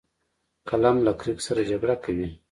قلم له کرکې سره جګړه کوي